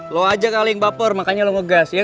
lo ajak kali yang baper makanya lo ngegas ya kan